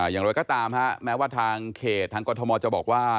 อย่างไรก็ตามแม้ว่าทางเขตทางกรทมจะบอกว่า